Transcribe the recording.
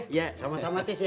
iya sama sama tiff ya